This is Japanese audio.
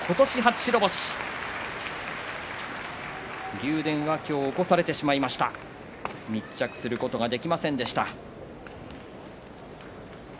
竜電は今日、起こされてしまいましたが密着することができませんでした。